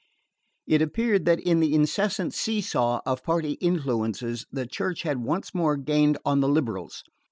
It appeared that in the incessant see saw of party influences the Church had once more gained on the liberals.